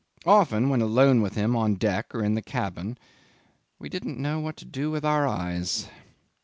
Often, when alone with him on deck or in the cabin, we didn't know what to do with our eyes.